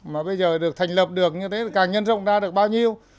mà bây giờ được thành lập được như thế càng nhân rộng ra được bao nhiêu